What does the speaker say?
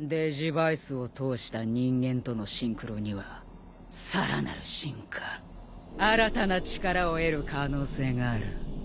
デジヴァイスを通した人間とのシンクロにはさらなる進化新たな力を得る可能性がある。